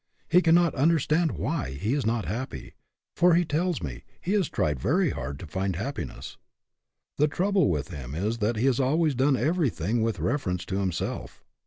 He cannot under stand why he is not happy, for, he tells me, he has tried very hard to find happiness. The trouble with him is that he has always done everything with reference to himself.